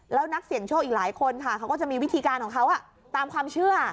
แล้วนักเสี่ยงโชคอีกหลายคนค่ะเขาก็จะมีวิธีการของเขาตามความเชื่อ